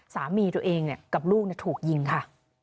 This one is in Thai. สามีตัวเองกับลูกถูกยิงค่ะ